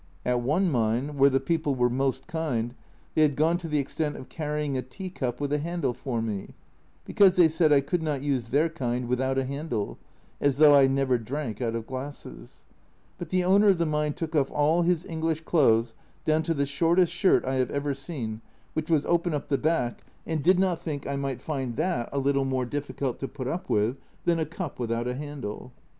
At one mine, where the people were most kind, they had gone to the extent of carrying a tea cup with a handle for k me, because they said I could not use their kind without a handle (as though I never drank out of glasses), but the owner of the mine took off all his English clothes, down to the shortest shirt I have ever seen, which was open up the back, and did not think 56 A Journal from Japan I might find that a little more difficult to put up with than a cup without a handle.